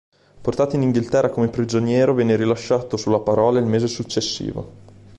Portato in Inghilterra come prigioniero, venne rilasciato sulla parola il mese successivo.